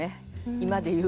今で言う。